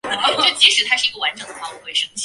有的也会被潮商雇往戏园表演。